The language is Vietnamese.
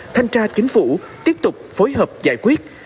thanh tra chính phủ tiếp tục phối hợp giải quyết